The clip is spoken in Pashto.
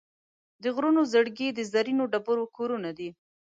د غرونو زړګي د زرینو ډبرو کورونه دي.